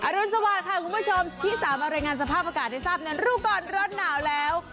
อรุณสวัสดิ์ค่ะคุณผู้ชมที่๓บรรยายงานสภาพอากาศที่ทราบเนินรูกรรมรถหนาวแล้ว